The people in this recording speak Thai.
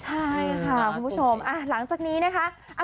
ใช่ค่ะคุณผู้ชมหลังจากนี้นะคะ